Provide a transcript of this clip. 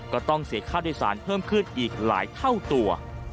ก็ต้องเสียค่าโดยสารเพิ่มขึ้นอีกหลายเท่าตัว